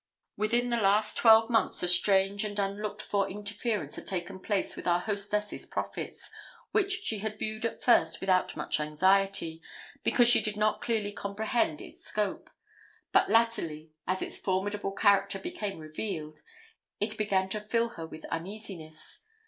Within the last twelve months a strange and unlooked for interference had taken place with our hostess's profits, which she had viewed, at first, without much anxiety, because she did not clearly comprehend its scope; but latterly, as its formidable character became revealed, it began to fill her with uneasiness.